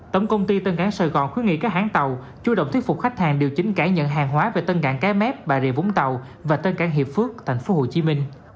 tổng công ty tân cảng sài gòn khuyến nghị các hãng tàu chủ động thuyết phục khách hàng điều chính cải nhận hàng hóa về tân cảng cái mép bà rịa vũng tàu và tân cảng hiệp phước tp hcm